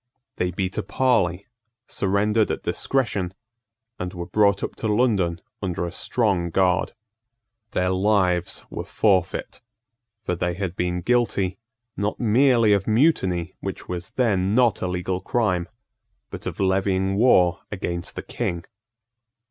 They beat a parley, surrendered at discretion, and were brought up to London under a strong guard. Their lives were forfeit: for they had been guilty, not merely of mutiny, which was then not a legal crime, but of levying war against the King.